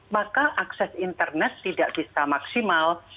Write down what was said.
maka akses internet tidak bisa maksimal